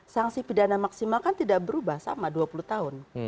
sanksi pidana maksimal kan tidak berubah sama dua puluh tahun